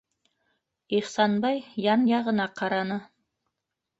Ихсанбай ян-яғына ҡараны.